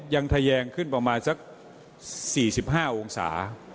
ทะแยงขึ้นประมาณสัก๔๕องศา